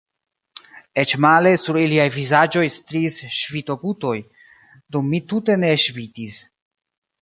Eĉ male – sur iliaj vizaĝoj striis ŝvito-gutoj, dum mi tute ne ŝvitis.